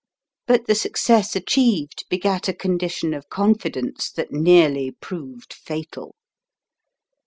But the success achieved begat a condition of confidence that nearly proved fatal.